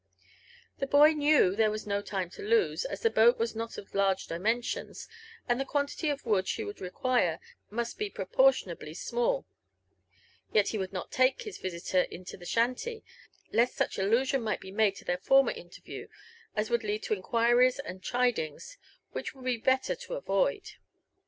The boy knew there was no time to lose, as the boat was not of large dimensions, and the quantity of wood she would require must be pro portionably small; yet he would not take his visiter into the shanty, lest such allusion might be made to their former interview as would lead to inquiries and chidings, which it would be better to avoid.